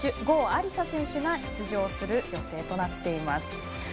郷亜里砂選手が出場する予定となっています。